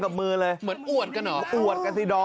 ประเภทประเภท